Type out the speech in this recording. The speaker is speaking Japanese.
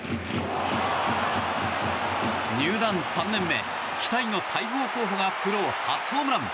入団３年目、期待の大砲候補がプロ初ホームラン！